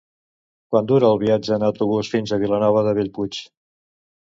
Quant dura el viatge en autobús fins a Vilanova de Bellpuig?